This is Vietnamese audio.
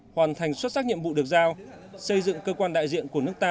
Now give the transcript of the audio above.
hoàn thành xuất sắc nhiệm vụ được giao xây dựng cơ quan đại diện của nước ta